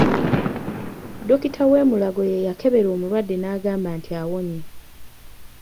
Dokita w'e Mulago ye yakebera omulwadde n'agamba nti awonye.